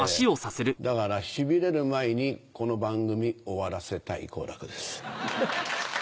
だからしびれる前にこの番組終わらせたい好楽です。